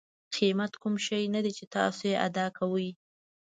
قیمت کوم شی دی چې تاسو یې ادا کوئ.